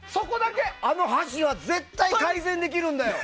あの箸は絶対改善できるんだよ。